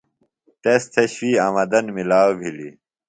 تس تھےۡ شوئی آمدن ملاؤ بِھلیۡ۔